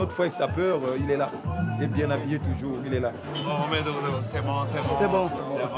おめでとうございます。